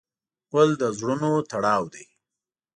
ګل د زړونو تړاو دی.